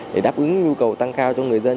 để đáp ứng nhu cầu tăng cao cho người dân